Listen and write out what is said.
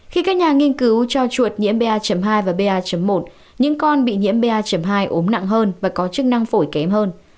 khi các nhà nghiên cứu cho chuột nhiễm ba hai và ba một những con bị nhiễm ba hai ốm nặng hơn và có chức năng phổi kém hơn